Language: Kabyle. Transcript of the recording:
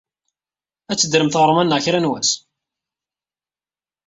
Ad tedrem tɣerma-nneɣ kra n wass?